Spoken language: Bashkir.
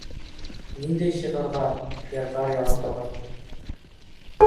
Ниндәй шиғырҙар, йырҙар яҙа торғайны.